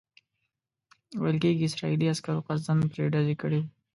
ویل کېږي اسرائیلي عسکرو قصداً پرې ډز کړی وو.